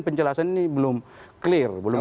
penjelasan ini belum clear belum